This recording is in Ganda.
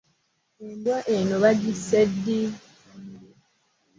Embwa eno baagise ddi?